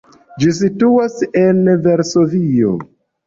Ĝi situas en Varsovio.